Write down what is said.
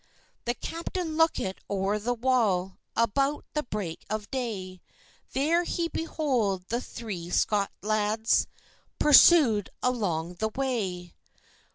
The captain lookit o'er the wall, About the break of day; There he beheld the three Scots lads Pursued along the way.